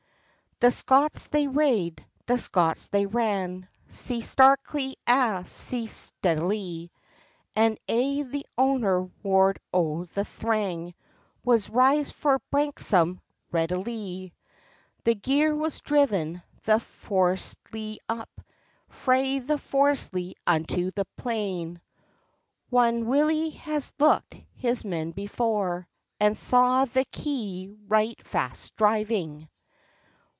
The Scots they rade, the Scots they ran, Sae starkly and sae steadilie! And aye the ower word o' the thrang, Was—"Rise for Branksome readilie!" The gear was driven the Frostylee up, Frae the Frostylee unto the plain, Whan Willie has looked his men before, And saw the kye right fast driving.